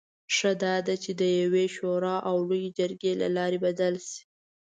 ښه دا ده چې د یوې شورا او لویې جرګې له لارې بدل شي.